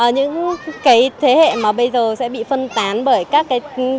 những cái thế hệ mà bây giờ sẽ bị phân tán bởi các cái